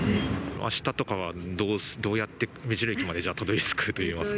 あしたとかは、どうやって目白駅までたどりつくといいますか。